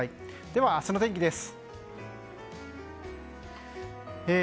では明日の天気です。